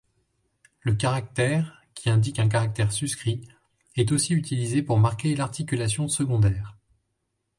Le caractère⠈ qui indique un caractère suscrit est aussi utilisé pour marquer l'articulation secondaire.